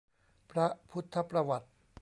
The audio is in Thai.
พระพุทธประวัติ